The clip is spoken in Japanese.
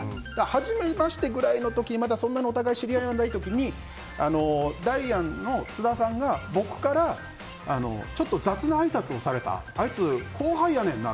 はじめましてくらいの時そんなにお互い知らない時にダイアンの津田さんが僕からちょっと雑なあいさつをされたあいつ、後輩やねんな。